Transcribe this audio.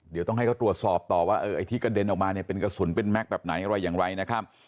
เดี๋ยวต้องให้เขาตรวจสอบต่อว่าไอ้ที่กระเด็นออกมาเนี่ยเป็นกระสุนเป็นแม็กซ์แบบไหนอะไรอย่างไรนะครับ